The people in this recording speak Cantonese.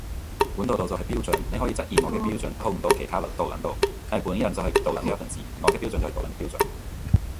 本毒毒就係標準，你可以質疑我嘅標準套唔到落其他毒撚度，但係本人就係毒撚一份子，我嘅標準都係毒撚嘅標準